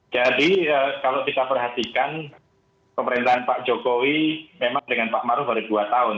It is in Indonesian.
jadi kalau kita perhatikan pemerintahan pak jokowi memang dengan pak maruf ada dua tahun